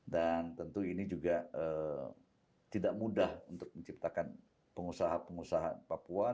dan tentu ini juga tidak mudah untuk menciptakan pengusaha pengusaha papua